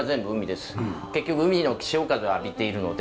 結局海の潮風を浴びているので。